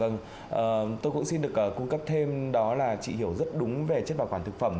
vâng tôi cũng xin được cung cấp thêm đó là chị hiểu rất đúng về chất bảo quản thực phẩm